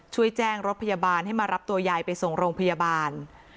ช่วยแจ้งรถพยาบาลให้มารับตัวยายไปส่งโรงพยาบาล